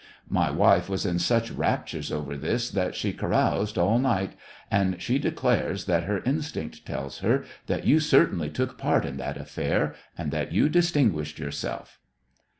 My wife was in such raptures over this that she caroused all night, and she declares that her in stinct tells her that you certainly took part in that affair, and that you distinguished yourself."